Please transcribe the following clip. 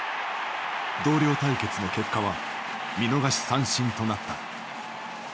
同僚対決の結果は見逃し三振となった。